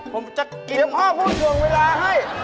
ผมจะเกี่ยวพ่อพูดถ่วงเวลาให้